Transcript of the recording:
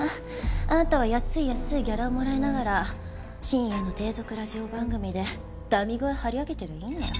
あなたは安い安いギャラをもらいながら深夜の低俗ラジオ番組でダミ声張り上げてりゃいいのよ。